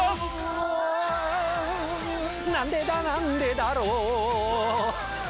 「なんでだなんでだろう」